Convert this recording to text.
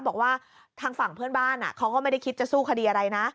บอกว่าทางฝั่งเพื่อนบ้านเขาก็ไม่ได้คิดจะสู้คดีอะไรนะ